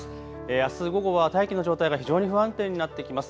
あす午後は大気の状態が非常に不安定になってきます。